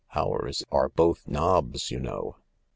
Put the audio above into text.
Ours are both knobs, you know."